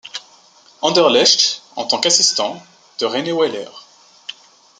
Anderlecht en tant qu’assistant de René Weiler.